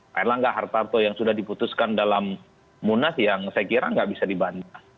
pak erlangga hartarto yang sudah diputuskan dalam munas yang saya kira nggak bisa dibantah